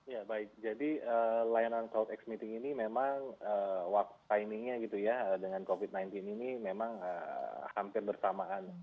ya baik jadi layanan cloudx meeting ini memang timingnya gitu ya dengan covid sembilan belas ini memang hampir bersamaan